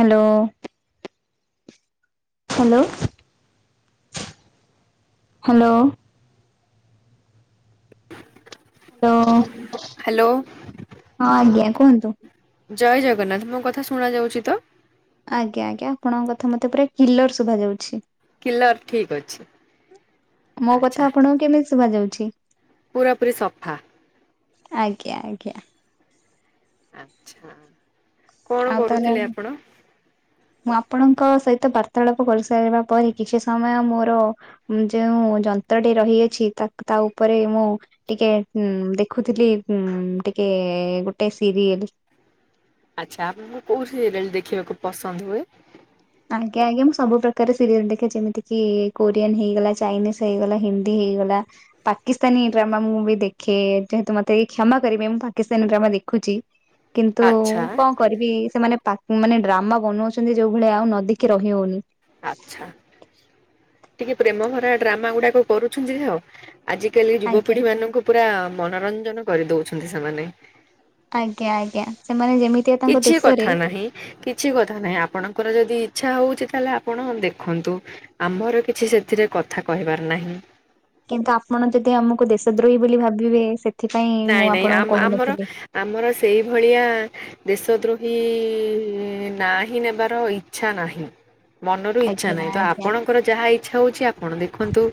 Hello. Hello hello. Hello. ହଁ ଆଜ୍ଞା କୁହନ୍ତୁ। ଜୟ ଜଗନ୍ନାଥ ମୋ କଥା ଶୁଣା ଯାଉଛି ତ। ଆଜ୍ଞା ଆଜ୍ଞା ଆପଣଙ୍କ କଥା ମତେ ପୁରା କିଲର ଶୁଭା ଯାଉଛି। କିଲର ଠିକ ଅଛି ମୋ କଥା ଆପଣଙ୍କୁ କେମିତି ଶୁଭା ଯାଉଛି? ପୁରା ପୁରି ସଫା। ଆଜ୍ଞା ଆଜ୍ଞା। ଆଚ୍ଛା। କଣ ଆଉ ତାହେନେ କରୁଥିଲେ ଆପଣ? ମୁଁ ଆପଣଙ୍କ ସହିତ ବାର୍ତ୍ତାଳାପ କରିସାରିବା ପରେ କିଛି ସମୟ ମୋର ଯୋଉ ଯନ୍ତ୍ରଟି ରହିଅଛି ତା ଉପରେ ମୁଁ ଟିକେ ଦେଖୁଥିଲି ଉଁ ଟିକେ ଗୋଟେ ସିରିଏଲ। ଆଚ୍ଛା ଆପଣଙ୍କୁ କୋଉ ସିରିଏଲ ଦେଖିବାକୁ ପସନ୍ଦ ହୁଏ? ଆଜ୍ଞା ଆଜ୍ଞା ମୁଁ ସବୁ ପ୍ରକାର ସିରିଏଲ ଦେଖେ ଯେମିତିକି କୋରିଆନ ହେଇଗଲା ଚାଇନିଜ ହେଇଗଲା ହିନ୍ଦୀ ହେଇଗଲା। ପାକିସ୍ତାନୀ ଡ୍ରାମା ମୁଁ ବି ଦେଖେ ଯେହେତୁ ମତେ କ୍ଷମା କରିବେ ମୁଁ ପାକିସ୍ତାନୀ ଡ୍ରାମା ଦେଖୁଛି। କିନ୍ତୁ ଆଚ୍ଛା କଣ କରିବି ସେମାନେ ପା ମାନେ ଡ୍ରାମା ବନଉଛନ୍ତି ଯୋଉ ଭଳିଆ ଆଉ ଦେଖି ରହି ହଉନି। ଆଚ୍ଛା ଟିକେ ପ୍ରେମ ଭରା ଡ୍ରାମା ଗୁଡାକ କରୁଛନ୍ତି ଆଉ। ଆଜି କାଲି ଆଜ୍ଞା ଯୁବପିଢ଼ି ମାନଙ୍କୁ ପୁରା ମନୋରଞ୍ଜନ କରିଦଉଛନ୍ତି ସେମାନେ। ଆଜ୍ଞା ଆଜ୍ଞା ସେମାନେ ଯେମିତିଆ ତାଙ୍କ କିଛି ଦେଶରେ କଥା ନାହିଁ କିଛି କଥା ନାହିଁ ଆପଣଙ୍କର ଯଦି ଇଚ୍ଛା ହଉଛି ତାହେଲେ ଆପଣ ଦେଖନ୍ତୁ ଆମର କିଛି ସେଥିରେ କଥା କହିବାର ନାହିଁ। କିନ୍ତୁ ଆପଣ ଯଦି ଆମକୁ ଦେଶ ଦ୍ରୋହୀ ବୋଲି ଭାବିବେ ସେଥିପାଇଁ ନାଇଁ ମୁଁ ନାଇଁ ଆମ ଆପଣଙ୍କୁ ଆମର କହୁନଥିଲି। ଆମର ସେଇଭଳିଆ ଦେଶ ଦ୍ରୋହୀ ନା ହିଁ ନେବାର ଇଚ୍ଛା ନାହିଁ। ମନରୁ ଇଚ୍ଛା ଆଜ୍ଞା ନାହିଁ ତ ଆଜ୍ଞା ଆପଣଙ୍କର ଯାହା ଇଚ୍ଛା ହଉଛି ଆପଣ ଦେଖନ୍ତୁ।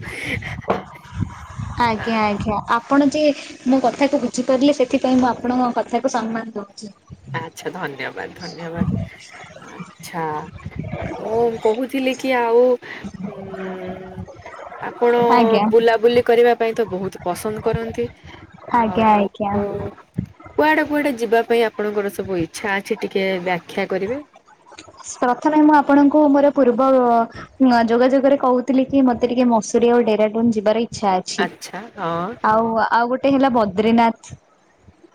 ଆଜ୍ଞା ଆ ଆଞା। ଆ ଆପଣ ଯେ ମୋ କଥାକୁ ବୁଝିପାରିଲେ ସେଥିପାଇଁ ମୁଁ ଆପଣଙ୍କ କଥାକୁ ସମ୍ମାନ ଦଉଛି। ଆଛା ଧନ୍ୟବାଦ ଧନ୍ୟବାଦ ଆଚ୍ଛା ମୁଁ କହୁଥିଲି କି ଆଉ ହୁଁ ଆପଣ ଆଜ୍ଞା ବୁଲାବୁଲି କରିବା ପାଇଁ ତ ବହୁତ ପସନ୍ଦ କରନ୍ତି। ଆଉ ଆଜ୍ଞା ଆଜ୍ଞା। କୁଆଡେ କୁଆଡେ ଯିବା ପାଇଁ ଆପଣଙ୍କର ସବୁ ଇଚ୍ଛା ଅଛି ଟିକେ ବ୍ୟାଖ୍ୟା କରିବେ? ପ୍ରଥମେ ମୁଁ ଆପଣଙ୍କୁ ମୋର ପୂର୍ବ ହଁ ଯୋଗାଯୋଗରେ କହୁଥିଲି କି ମତେ ଟିକେ ମସୁରୀ ଆଉ ଡେରାଡୁନ ଯିବାର ଇ ଛା ଅଛି। ଆଚ୍ଛା ହଁ ଆଉ ଆଉ ଗୋଟେ ଗଟେ ହେଲା ବଦ୍ରିନାଥ,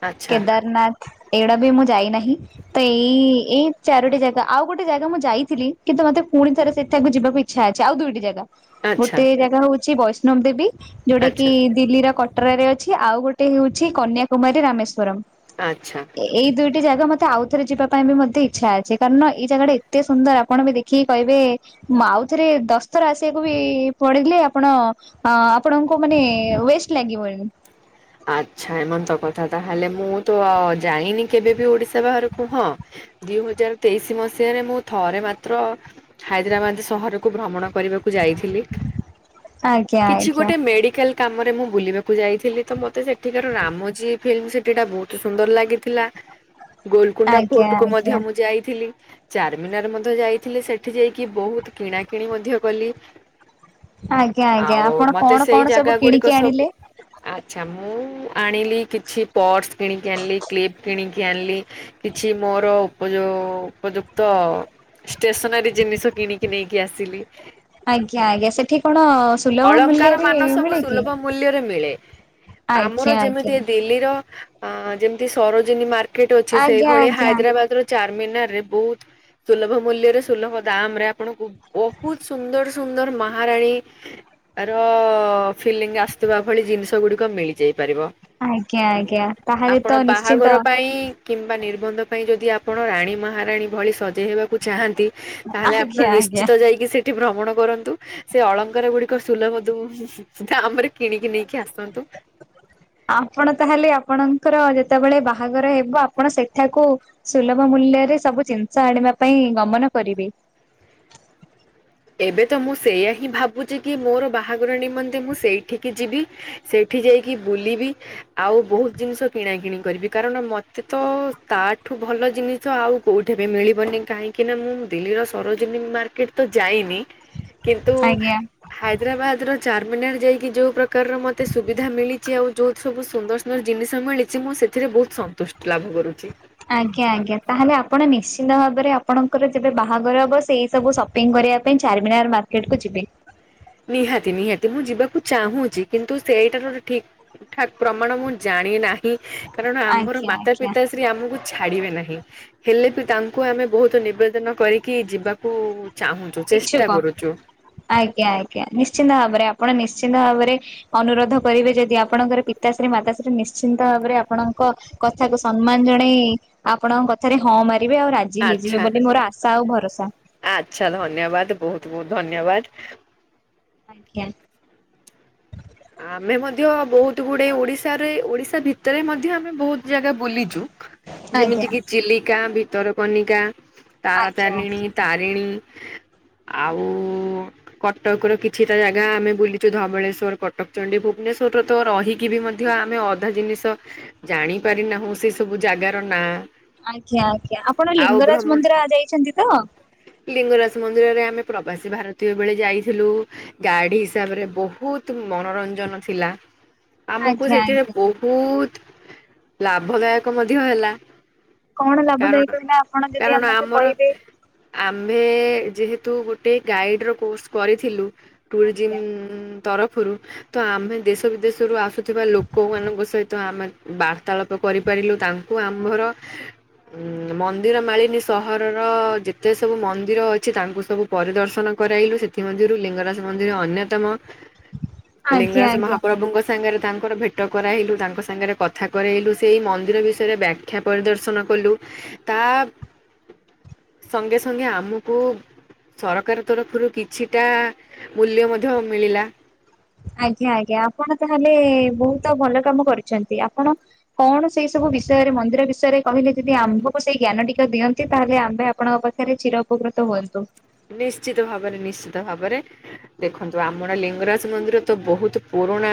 ଆଚ୍ଛା କେଦାରନାଥ ଏଇଡା ବି ମୁଁ ଯାଇନାହିଁ ତ ଏଇ ଏଇ ଚାରୋଟି ଜାଗା ତ ଆଉ ଗୋଟେ ଜାଗା ମୁଁ ଯାଇଥିଲି କିନ୍ତୁ ମତେ ପୁଣି ଥରେ ସେଠାକୁ ଯିବାକୁ ଇଚ୍ଛା ଅଛି ଆଉ ଦୁଇଟି ଜାଗା। ଆଚ୍ଛା ଗୋଟେ ଜାଗା ହଉଛି ବୈଷ୍ଣବ ଦେବୀ ଯୋଉଟା କି ଆଚ୍ଛା। ଦିଲ୍ଲୀର କଟରାରେ ଅଛି ଆଉ ଗୋଟେ ହେଉଛି କନ୍ୟାକୁମାରୀ ରାମେଶ୍ଵରମ୍। ଆଛା। ଏଇ ଦୁଇଟି ଜାଗା ମତେ ଆଉଥରେ ଯିବା ପାଇଁ ବି ମଧ୍ୟ ଇଚ୍ଛା ଅଛି। କାରଣ ଏଇ ଜାଗା ଟା ଏତେ ସୁନ୍ଦର ଆପଣ ବି ଦେଖିକି କହିବେ ମୁଁ ଆଉଥରେ ଦଶଥର ଆସିବାକୁ ବି ପଡିଲେ ଆପଣ ଅ ଆପଣଙ୍କୁ ମାନେ ୱେଷ୍ଟ ଲାଗିବନି। ଆଚ୍ଛା ଏମନ୍ତ କଥା ତାହେଲେ ମୁଁ ତ ଆ ଯାଇନି କେବେ ବି ଓଡିଶା ବାହାରକୁ ହଁ ଦିଇ ହଜାର ତେଇଶି ମସିହାରେ ମୁଁ ଥରେ ମାତ୍ର ହାଇଦ୍ରାବାଦ ସହରକୁ ଭ୍ରମଣ କରିବାକୁ ଯାଇଥିଲି। ଆଜ୍ଞା କିଛି ଆଜ୍ଞା ଗୋଟେ ମେଡିକାଲ କାମରେ ମୁଁ ବୁଲିବାକୁ ଯାଇଥିଲି ତ ମତେ ସେଠିକାର ରାମୋଜୀ ଫିଲ୍ମ ସିଟିଟା ବହୁତ ତ ସୁନ୍ଦର ଲାଗିଥିଲା ଗୋଲକୁୁଣ୍ଡା ଆଜ୍ଞା ଫୋର୍ଟ କୁ ଆଜ୍ଞା। ମଧ୍ୟ ମୁଁ ଯାଇଥିଲି ଚାରମିନାର ମଧ୍ୟ ଯାଇଥିଲି ସେଠି ଯାଇକି ବହୁତ କିଣା କିିଣି ମଧ୍ୟ କଲି। ଆଜ୍ଞା ଆଜ୍ଞା ଆଉ ଆପଣ କଣ ମତେ କଣ ସେଇ ସବୁ କିଣିକି ଜାଗାଗୁଡିକ ଆଣିଲେ? ସବୁ ଆଚ୍ଛା ମୁଁ ଆଣିଲି କିଛି ପର୍ସ କିଣିକି ଆଣିଲି କ୍ଲିପ କିଣିକି ଆଣିଲି କିଛି ମୋର ଉପଯ ଉପଯୁକ୍ତ ଷ୍ଟେସନାରୀ ଜିନିଷ କିଣିକି ନେଇକି ଆସିଲି। ଆଜ୍ଞା ଆଜ୍ଞା ସେଠି କଣ ସୁଲଭ ଅଳଙ୍କାର ମୂଲ୍ୟରେ ମାନ ସବୁ ମିଳେକି? ସୁଲଭ ମୂଲ୍ୟରେ ମିଳେ। ଆମର ଆଜ୍ଞା ଯେମିତି ଦିଲ୍ଲୀର ଆ ଯେମତି ସରୋଜିନୀ ମାର କେଟ ଅଛି ଆଜ୍ଞା ସେଇଭଳି ଆଜ୍ଞା ହାଇଦ୍ରାବାଦର ଚାରମିନାରରେ ବହୁ ସୁଲଭ ମୂଲ୍ୟରେ ସୁଲଭ ଦାମ ରେ ଆପଣଙ୍କୁ ବହୁତ ସୁନ୍ଦର ସୁନ୍ଦର ମହାରାଣୀ ର ଫିଲିଙ୍ଗ ଆସୁଥିବା ଭଳି ଜିନିଷ ଗୁଡିକ ମିଳିଯାଇ ପାରିବ। ଆଜ୍ଞା ଆଜ୍ଞା ତାହେଲେ ତ ଆପଣ ନିଶ୍ଚିନ୍ତ ବାହାଘର ପାଇଁ କିମ୍ବା ନିର୍ବନ୍ଧ ପାଇଁ ଯଦି ଆପଣ ରାଣୀ ମହାରାଣୀ ଭଳି ସଜେଇ ହେବାକୁ ଚାହାଁନ୍ତି ତାହେଲେ ଆପଣ ଆଜ୍ଞା ଆଜ୍ଞା ନିଶ୍ଚିତ ଯାଇକି ସେଠ ଠି ଭ୍ରମଣ କରନ୍ତୁ ସେ ଅଳଙ୍କାର ଗୁଡିକ ସୁଲଭ ଦୁ କାମରେ କିଣିକି ନେଇକି ଆସନ୍ତୁ। ଆପଣ ତାହେଲେ ଆପଣଙ୍କର ଯେତେବେଳେ ବାହାଘର ହେବ ଆପଣ ସେଠାକୁ ସୁଲଭ ମୂଲ୍ୟରେ ସବୁ ଜିନିଷ ଆଣିବା ପାଇଁ ଗମନ କରିବି। ଏବେ ତ ମୁଁ ସେଇୟା ହିଁ ଭାବୁଚି କି ମୋରୋ ବାହାଘର ନିମନ୍ତେ ମୁଁ ସେଇଠିକି ଯିବି। ସେଠି ଯାଇକି ବୁଲିବି। ଆଉ ବୋହୁତୁ ଜିନିଷ କିଣା କିିଣି କରିବି କାରଣ ମତେ ତ ତାଠୁ ଭଲ ଜିନିଷ ଆଉ କୋଉଠି ବି ମିଳିବନି କାହିଁକି ନା ମୁଁ ଦିଲ୍ଲୀର ସରୋଜିନୀ ମାର୍କେଟ ତ ଯାଇନି କିନ୍ତୁ ଆଜ୍ଞା। ହାଇଦ୍ରାବାଦ ର ଚାରମିନାର ଯାଇକି ଯୋଉ ପ୍ରକାରର ମତେ ସୁବିଧା ମିଳିଚି ଆଉ ଯୋଉ ସବୁ ସୁନ୍ଦର ମୋର ଜିନିଷ ମିଳିଚି ମୁଁ ସେଥିରେ ବୋହୁତ ସନ୍ତୁଷ୍ଟ ଲାଭ କରୁଚି। ଆଜ୍ଞା ଆଜ୍ଞା ତାହେଲେ ଆପଣ ନିଶ୍ଚିନ୍ତ ଭାବରେ ଆପଣଙ୍କର ଯେବେ ବାହାଘର ହବ ସେଇ ସବୁ ସ ସପିଂ କରିବା ପାଇଁ ଚାରମିନାର ମାର୍କେଟକୁ ଯିବି। ନିହାତି ନିହାତି ମୁଁ ଯିବାକୁ ଚାହୁଁଚି କିନ୍ତୁ ସେଇଟା [unintelligible] ଠିକ୍। ଠା ପ୍ରମାଣ ମୁଁ ଜାଣି ନାହିଁ କାରଣ ଆମର ଆଜ୍ଞା ମାତା ଆଜ୍ଞା ପିତା ଶ୍ରୀ ଆମୁକୁ ଛାଡିବେ ନାହିଁ ହେଲେ ବି ତାଙ୍କୁ ଆମେ ବୋହୁତ ନିବେଦନ କରିକି ଯିବାକୁ ଚାହୁଁଚୁ। ଇଛୁକ ଆଜ୍ଞା ଆଜ୍ଞା ନିଶ୍ଚିନ୍ତ ଭାବରେ ଆପଣ ନିଶ୍ଚିନ୍ତ ଭାବରେ ଅନୁରୋଧ କରିବି ଯଦି ଆପଣଙ୍କର ପିତାଶ୍ରୀ ମାତାଶ୍ରୀ ନିଶ୍ଚିନ୍ତ ଭାବରେ ଆପଣଙ୍କ କଥାକୁ ସମ୍ମାନ ଜଣେଇ ଆପଣଙ୍କ କଥାରେ ହଁ ମାରିବେ ଆଉ ରାଜ ଜି ହେଇଯିବ ଆଚ୍ଛା ବୋଲି ମୋର ଆଶା ଆଉ ଭରସା। ଆଚ୍ଛା ଧନ୍ୟବାଦ ବୋହୁତୁ ବୋହୁତୁ ଧନ୍ୟବାଦ। ଆଜ୍ଞା। ଆମେ ମଧ୍ୟ ବୋହୁତ ଗୁଡେ ଓଡିଶାରେ ଓଡିଶା ଭିତରେ ମଧ୍ୟ ଆମେ ବୋହୁତ ଜାଗା ବୁଲିଚୁ ଆଜ୍ଞା ଯେମିତି କିି ଚିଲିକା ଭିତରକନିକା। ଆଜ୍ଞା ଆଜ୍ଞା। ତାରାତାରିଣୀ ତାରିଣୀ। ଆଉ କଟକର କିଛିଟା ଜାଗା ଆମେ ବୁଲିଚୁ ଧବଳେଶ୍ୱର କଟକ। ଟକଚଣ୍ଡି ଭୁବନେଶ୍ୱର ରତ ରହିକି ବି ମଧ୍ୟ ଆମେ ଅଧା ଦିନିଷ ଜାଣି ପାରି ନାହୁଁ ସେ ସବୁ ଜାଗାର ନାଁ। ଆଜ୍ଞା ଆଜ୍ଞା ଆପଣ ଆଉ ଲିଙ୍ଗରାଜ ଭ୍ରମଣ ମନ୍ଦିର ଯାଇଚନ୍ତି ତ? ଲିଙ୍ଗରାଜ ମନ୍ଦିରରେ ଆମେ ପ୍ରବାସୀ ଭାରତୀୟ ବେଳେ ଯାଇଥିଲୁ। ଗାଡି ହିସାବରେ ବୋହୁତ ମନୋରଞ୍ଜନ ଥିଲା ଆମକୁ ଆଜ୍ଞା ସେଥିରେ ଆଜ୍ଞା। ବୋହୁ ବୋହୁତ ଲାଭଦାୟକ ମଧ୍ୟ ହେଲା। କଣ କାରଣ ଲାଭଦାୟୀକତାଆପଣ ଯଦି ଆମକୁ କହିବେ? ଆମେ ଯେହେତୁ ଗୋଟେ ଗାଇଡ଼ର କୋର୍ସ କରିଥିଲୁ ଟୁରିଜିମ୍ ଆଜ୍ଞା ଉଁ ତରଫରୁ ତ ଆମେ ଦେଶ ବିଦେଶରୁ ଆସୁଥିବା ଲୋକମାନଙ୍କ ସହିତ ଆମେ ବାର୍ତ୍ତାଳାପ କରିପାରିଲୁ ତାଙ୍କୁ ଆମ୍ଭର ହୁଁ ମନ୍ଦିର ମାଳିନୀ ସହରର ଯେତେ ସବୁ ମନ୍ଦିର ଅଛି ତାଙ୍କୁ ସବୁ ପରିଦର୍ଶନ କରାଇଲୁ ସେଥି ମଧ୍ୟରୁ ଲିଙ୍ଗରାଜ ମନ୍ଦିର ଅନ୍ୟତମ। ଆଜ୍ଞା ଲିଙ୍ଗରାଜ ଆଜ୍ଞା। ମହାପ୍ରଭୁଙ୍କ ସାଙ୍ଗେରେ ତାଙ୍କର ଭେଟ କରାଇଲୁ ତାଙ୍କ ସାଙ୍ଗେରେ କଥା କରେଇଲୁ ସେଇ ମନ୍ଦିର ବିଷୟରେ ବ୍ୟା ବ୍ୟାକ୍ଷା ପରିଦର୍ଶନ କଲୁ ତା ସଙ୍ଗେ ସଙ୍ଗେ ଆମକୁ ସରକାର ତରଫରୁ କିଛିଟା ମୂଲ୍ୟ ମଧ୍ୟ ମିଳିଲା। ଆଜ୍ଞା ଆଜ୍ଞା ଆପଣ ତାହେଲେ ବୋହୁତ ଭଲ କାମ କରିଚନ୍ତି ଆପଣ କଣ ସେଇ ସବୁ ବିଷୟରେ ମନ୍ଦିର ବିଷୟରେ କହିଲି ଯେଦି ଆମ୍ଭକୁ ସେଇ ଜ୍ଞାନ ଟିକ ଦିଅନ୍ତି ତାହେଲେ ଆମ୍ଭେ ଆପଣଙ୍କ [unintelligible] ଠାରେ ଚୀରଉପକୃତ ହୁଅନ୍ତୁ। ନିଶ୍ଚିତ ଭାବରେ ନିଶ୍ଚିତ ଭାବରେ। ଦେଖନ୍ତୁ ଆମର ଲିଙ୍ଗରାଜ ମନ୍ଦିର ତ ବହୁତ୍ ପୁରୁଣା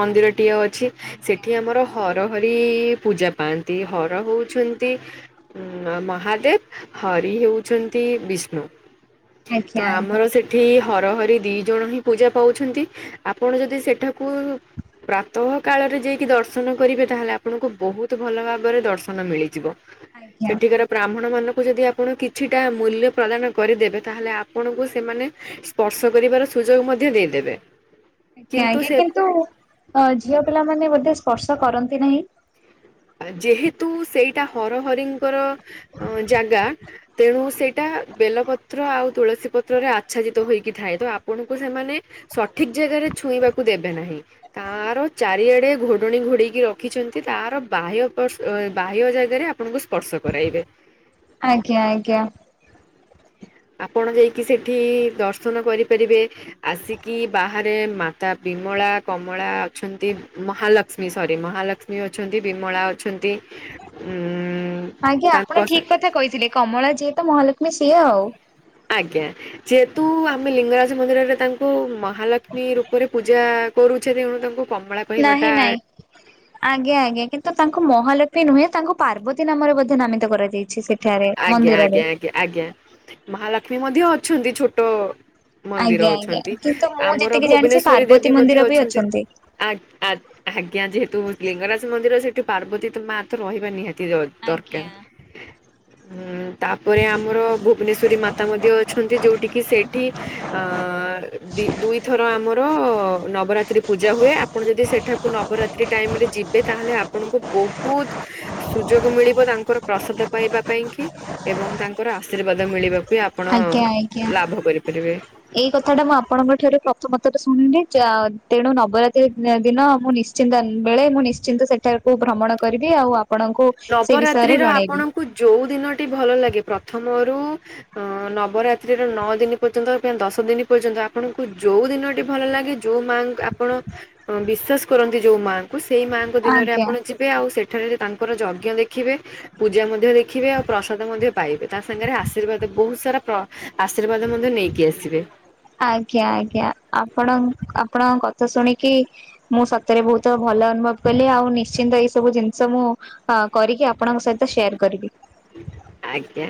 ମନ୍ଦିରଟିଏ ଅଛି। ଆଜ୍ଞା ସେଠି ଆମର ହର ହରି ପୂଜା ପାଆନ୍ତି ହର ହଉଚନ୍ତି ଉଁ- ମହାଦେବ୍ ହରି ହେଉଛନ୍ତି ବିଷ୍ଣୁ ଆଜ୍ଞା ତ ଆଜ୍ଞା ଆମର ସେଠ୍ ଠି ହର ହରି ଦି ଜଣ ହିଁ ପୂଜା ପାଉଛନ୍ତି ଆପଣ ଯଦି ସେଠାକୁ ପ୍ରାତଃ କାଳରେ ଯାଇକି ଦର୍ଶନ କରିବେ ତାହେଲେ ଆପଣଙ୍କୁ ବହୁତୂ ଭଲ ଭାବରେ ଦର୍ଶନ ମିଳିଯିବ। ଆଜ୍ଞା ସେଠିକାର ବ୍ରାହ୍ମଣ ମାନଙ୍କୁ ଯଦି ଆପଣ କିଛିଟା ମୂଲ୍ୟ ପ୍ରଦାନ କରିଦେବେ ତାହେଲେ ଆପଣଙ୍କୁ ସେମାନେ ସ୍ପର୍ଶ କରିବାର ସୁଯୋଗ ମଧ୍ୟ ଦେଇଦେବେ। ଆଜ୍ଞା ଆଜ୍ଞା କିନ୍ତୁ ଝିଅ ପିଲାମାନେ ବୋଧେ ସ୍ପର୍ଶ କରନ୍ତି ନାହିଁ। ଯେହେତୁ ସେଇଟା ହର ହରିଙ୍କର ଅଁ- ଜାଗା ତେଣୁ ସେଇଟା ବେଲପତ୍ର ଆଉ ତୁଳସୀ ପତ୍ରରେ ଆଚ୍ଛାଦିତ ହେଇକି ଥାଏ ତ ଆପଣଙ୍କୁ ସେମାନେ ସଠିକ୍ ଜାଗାରେ ଛୁଇଁବାକୁ ଦେବେ ନାହିଁ। ତାର ଚାରିଆଡେ ଘୋଡଣି ଘୋଡେଇକି ରଖିଚନ୍ତି ତାର ବାହ୍ୟ କର୍ଷ୍- ବାହ୍ୟ ଜାଗାରେ ଆପଣଙ୍କୁ ସ୍ପର୍ଶ କରାଇବେ। ଆଜ୍ଞା ଆଜ୍ଞା। ଆପଣ ଯାଇକି ସେଠି ଦର୍ଶନ କରିପାରିବେ। ଆସିକି ବାହାରେ ମାତା ବିମଳା କମଳା ଅଛନ୍ତି ମହାଲକ୍ଷ୍ମୀ ସରି ମହାଲକ୍ଷ୍ ମୀ ଅଛନ୍ତି ବିମଳା ଅଛନ୍ତି ଉଁ ଆଜ୍ଞା ତାଙ୍କ ଆପଣ ସା ଠିକ୍ କଥା କହିଥିଲେ କମଳା ଯିଏ ତ ମହାଲକ୍ଷ୍ମୀ ସିଏ ଆଉ। ଆଜ୍ଞା। ଯେହେତୁ ଆମେ ଲିଙ୍ଗରାଜ ମନ୍ଦିରରେ ତାଙ୍କୁ ମହାଲକ୍ଷ୍ମୀ ରୂପରେ ପୂଜା କରୁଚେ ତେଣୁ ତାଙ୍କୁ କମଳା କହିବାଟା ନାହିଁ -ନାଇଁ। ଆଜ୍ଞା ଆଜ୍ଞା କିନ୍ତୁ ତାଙ୍କୁ ମହାଲକ୍ଷ୍ମୀ ନୁହେଁ ତାଙ୍କୁ ପାର୍ବତୀ ନାମରେ ବୋଧେ ନାମିତ କରାଯାଇଚି ସେ ଆଜ୍ଞା- ଆଜ୍ଞା -ଆଜ୍ଞା -ଆଜ୍ଞା ମହାଲକ୍ଷ୍ମୀ ମଧ୍ୟ ଅଛନ୍ତି ଛୋଟ ମନ୍ଦିର ଆଜ୍ଞା ଆଜ୍ଞା ଅଛନ୍ତି କିନ୍ତୁ ମୁଁ ଆମର ଯେତିକି ଜାଣିଛି ଭୁବନେଶ୍ଵରୀ ପାର୍ବତୀ ଦେବୀ ମଧ୍ୟ ମନ୍ଦିର ବି ଅଛନ୍ତି। ଆ- ଆଜ୍ଞା ଯେହେତୁ ଲିଙ୍ଗରାଜ ମନ୍ଦିର ସେଇଠି ପାର୍ବତୀ ମା ତ ରହିବା ନିହାତି ଅଛି। ଆଜ୍ଞା। ହଁ ତାପରେ ଆମର ଭୁବନେଶ୍ଵରୀ ମାତା ମଧ୍ୟ ଅଛନ୍ତି ଯଉଠି କିି ସେଇଠି ଅଁ- ଦି- ଦୁଇଥର ଆମର ନବରାତ୍ରି ପୂଜା ହୁଏ‌ ଆ ଆପଣ ଯଦି ସେଠାକୁ ନବରାତ୍ରି ଟାଇମ୍ ରେ ଯିବେ ତାହେଲେ ଆପଣଙ୍କୁ ବହୁତ୍ ସୁଯୋଗ ମିଳିବ ତାଙ୍କର ପ୍ରସାଦ ପାଇଁ ବା ପାଇଁ କି ଏବଂ ତାଙ୍କର ଆଶୀର୍ବାଦ ମିଳିବାକୁ ଆପଣ ଆଜ୍ଞା ଆଜ୍ଞା। ଲାଭ କରିପାରିବେ। ଏଇ କଥାଟା ମୁଁ ଆପଣଙ୍କ ଠାରୁ ପ୍ରଥମ ଥର ଶୁଣିଲି ଯା-ତେଣୁ ନବରାତ୍ରି ଦିନ ମୁଁ ନିଶ୍ ଚିନ୍ତ ବେଳେ ମୁଁ ନିଶ୍ଚିନ୍ତ ସେଠାକୁ ଭ୍ରମଣ କରିବି ଆଉ ଆପଣଙ୍କୁ ସେ ବିଷୟରେ ନବରାତ୍ରିର ଜଣେଇବି। ଆପଣଙ୍କୁ ଯଉ ଦିନଟି ଭଲ ଲାଗେ ପ୍ରଥମରୁ ଅଁ- ନବରାତ୍ରିର ନଅ ଦିନି ପର୍ଯ୍ୟନ୍ତ ଦଶ ଦିନ ପର୍ଯ୍ୟନ୍ତ ଆପଣଙ୍କୁ ଯଉ ଦିନଟି ଭଲ ଲାଗେ ଯଉ ମା ଆପଣ ବିଶ୍ବାସ୍ କରନ୍ତି ଯଉ ମାଙ୍କ୍ ଙ୍କୁ ସେଇ ମାଆଙ୍କୁ ଦିନରେ ଆଜ୍ଞା ଆପଣ ଯିବେ ଆଉ ସେଠାରେ ତାଙ୍କର ଯଜ୍ଞ ଦେଖିବେ ପୂଜା ମଧ୍ୟ ଦେଖିବେ ଆଉ ପ୍ରସାଦ ମଧ୍ୟ ପାଇବେ ତା ସାଙ୍ଗେରେ ଆଶୀର୍ବାଦ ବହୁତ୍ ସାରା ପ୍ର ଆଶୀର୍ବାଦ ମଧ୍ୟ ନେଇକି ଆସିବେ। ଆଜ୍ଞା ଆଜ୍ଞା ଆପଣ- ଆପଣଙ୍କ କଥା ଶୁଣିକି ମୁଁ ସତରେ ବହୁତ ଭଲ ଅନୁଭବ କଲି ଆଉ ନିଶ୍ଚିନ୍ତ ଏଇ ସବୁ ଜିନିଷ ମୁଁ ଅ- କରିକି ଆପଣଙ୍କ ସହିତ ସେୟାର କରିବି। ଆଜ୍ଞା।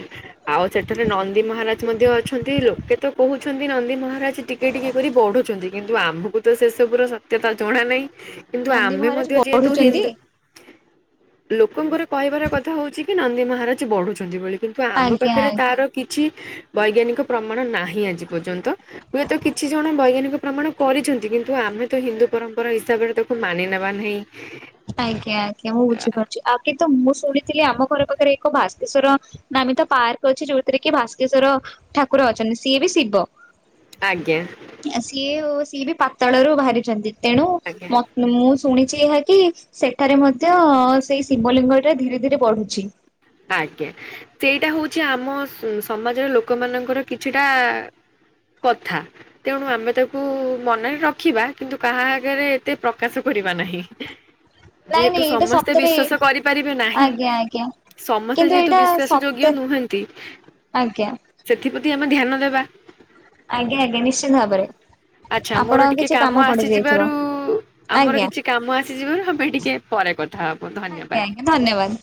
ଆଉ ସେଠାରେ ନନ୍ଦୀ ମହାରାଜ୍ ମଧ୍ୟ ଅଛନ୍ତି ଲୋକେ ତ କହୁଛନ୍ତି ନନ୍ଦୀ ମହାରାଜ୍ ଟି ଏଇଠି କପରି ବଢୁଛନ୍ତି କିନ୍ତୁ ଆମକୁ ତ ସେ ସବୁର ସତ୍ୟତା ଜଣା ନାହିଁ କିନ୍ତୁ ନନ୍ଦୀ ଆମେ ମହାରାଜ ମଧ୍ୟ ଯେହେତୁ ବଢୁଛନ୍ତି ହିନ୍ଦୁ ଲୋକଙ୍କର କହିବାର କଥା ହଉଛି କି ନନ୍ଦୀ ମହାରାଜ୍ ବଢୁଛନ୍ତି ବଳି। କିନ୍ତୁ ଆମ ଆଜ୍ଞା ପାଖେରେ ଆଜ୍ଞା। ତାର କିଛି ବୈଜ୍ଞାନିକ ପ୍ରମାଣ ନାହିଁ ଆଜି ପଯନ୍ତ ହୁଏତ କିଛି ଜଣ ବୈଜ୍ଞାନିକ ପ୍ରମାଣ କରିଛନ୍ତି କିନ୍ତୁ ଆମେ ତ ହିନ୍ଦୁ ପରମ୍ପରା ହିସାବରେ ତାକୁ ମାନି ନେବା ନାହିଁ। [unintelligible] ଆଜ୍ଞା ଆଜ୍ଞା ମୁଁ ବୁଝିପାରୁଛି ଆ କିନ୍ତୁ ମୁଁ ଶୁଣିଥିଲି ଆମ ଘର ପାଖରେ ଏକ ଦ୍ଭାସ୍କେଶ୍ଵର ନାମୀ ତ ପାର୍କେ ଅଛି ଯଉଥିରେ କି ଭାସ୍କେଶ୍ଵର ଠାକୁର ଅଛନ୍ତି ସିଏ ବି ଶିବ। ଆଜ୍ଞା। ସିଏ ଓସିଏ ବି ପାତାଳରୁ ବାହାରିଛନ୍ତି ତେଣୁ ଆଜ୍ଞା ମ ମୁଁ ଶୁଣିଛି ଏହା କି ସେଠାରେ ମଧ୍ୟ ସେଇ ଶିବଲିଙ୍ଗଟା ଧୀରେ ଧୀରେ ବଢୁଛି। ଆଜ୍ଞା ସେଇଟା ହଉଛି ଆମ ସ ସମାଜର ଲୋକମାନଙ୍କର କିଛିଟା ପଥା। ତେଣୁ ଆମେ ତାକୁ ମନରେ ରଖିବା କିନ୍ତୁ କାହା ଆଗେରେ ଏତେ ପ୍ରକାଶ କରିବା ନାହିଁ। ନାଇଁ ଯେହେତୁ ନାଇଁ ଏଇଟା ସମସ୍ତେ ସତରେ ବିଶ୍ବସ କରିପାରିବେ ନାହିଁ ଆଜ୍ଞା ଆଜ୍ଞା ସମସ୍ତେ କିନ୍ତୁ ଯେହେତୁ ଏଇଟା ବିଶ୍ଵାସ ଯୋଗ୍ୟ ସତରେ ନୁହନ୍ତି। ଆଜ୍ଞା ସେଥିପ୍ରତି ଆମେ ଧ୍ୟାନ ଦେବା। ଆଜ୍ଞା ଆଜ୍ଞା ନିଶ୍ଚିନ୍ତ ଭାବରେ। ଆଛା ମୋର ଆପଣଙ୍କ ଟିକେ କିଛି କାମ ପଡିଯାଇଥିବ ଆସିଯିବାରୁ ଆମର ଆଜ୍ଞା। କିଛି କାମ ଆସିଯିବାରୁ ଆମେ ଟିକେ ପରେ କଥା ହବୁ ଧନ୍ୟ ଆଜ୍ଞା ଆଜ୍ଞା ଧନ୍ୟବାଦ୍।